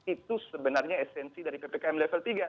itu sebenarnya esensi dari ppkm level tiga